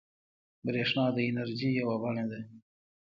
بریښنا د انرژۍ یوه بڼه ده